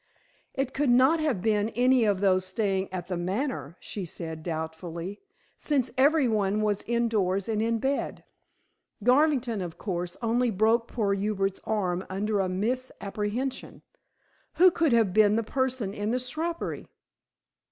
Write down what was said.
"It could not have been any of those staying at The Manor," she said doubtfully, "since every one was indoors and in bed. Garvington, of course, only broke poor Hubert's arm under a misapprehension. Who could have been the person in the shrubbery?"